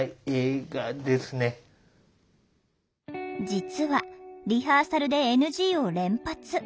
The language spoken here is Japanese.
実はリハーサルでＮＧを連発。